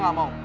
gue gak mau